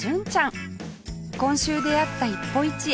今週出会った一歩一会